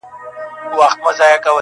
مخا مخ ورته چا نه سو ورکتلای-